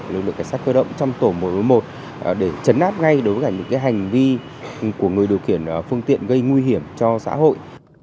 lực lượng cảnh sát cơ động trong tổ mối một để chấn áp ngay đối với cả những hành vi của người điều khiển phương tiện gây nguy hiểm cho xã hội